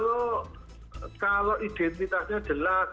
oh kalau identitasnya jelas